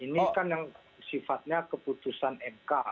ini kan yang sifatnya keputusan mk